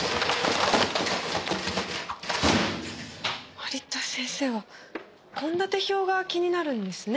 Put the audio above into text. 甘利田先生は献立表が気になるんですね。